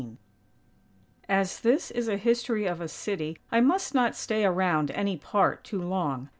XV As this is a history of a city I must not stay around any part too long.